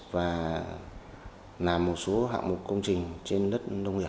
và làm một số hạng mục công trình trên đất